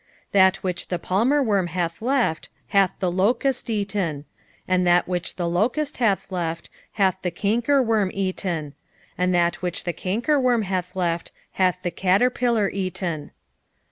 1:4 That which the palmerworm hath left hath the locust eaten; and that which the locust hath left hath the cankerworm eaten; and that which the cankerworm hath left hath the caterpiller eaten.